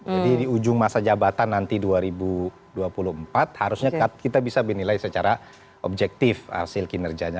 jadi di ujung masa jabatan nanti dua ribu dua puluh empat harusnya kita bisa menilai secara objektif hasil kinerjanya